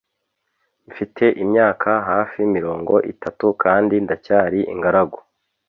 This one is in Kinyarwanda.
Mfite imyaka hafi mirongo itatu kandi ndacyari ingaragu